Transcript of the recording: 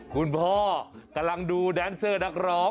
คุณพ่อกำลังดูแดนเซอร์ดักรอง